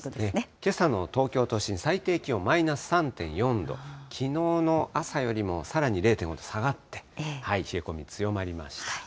けさの東京都心、最低気温マイナス３．４度、きのうの朝よりもさらに０．５度下がって、冷え込み強まりました。